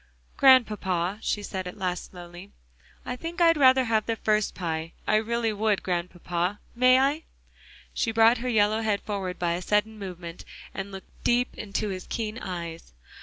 "Grandpapa," she said at last slowly, "I think I'd rather have the first pie, I really would, Grandpapa, may I?" She brought her yellow head forward by a sudden movement, and looked deep into his keen eyes.